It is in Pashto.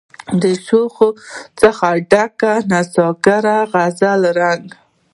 د شوخیو څخه ډکي نڅاګرې غزل رنګه